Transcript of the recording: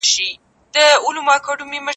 ورکوله یې له ښاره زموږ تخمونه